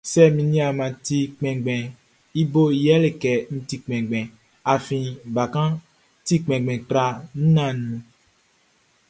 Sɛ min ɲinmaʼn ti kpinngbinʼn, i boʼn yɛle kɛ n ti kpinngbin, afin bakanʼn ti kpinngbin tra nanninʼn.